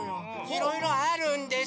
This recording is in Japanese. いろいろあるんです！